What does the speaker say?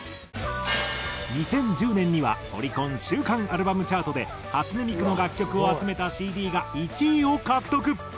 ２０１０年にはオリコン週間アルバムチャートで初音ミクの楽曲を集めたＣＤが１位を獲得。